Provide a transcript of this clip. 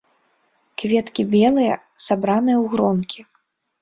Кветкі белыя, сабраныя ў гронкі.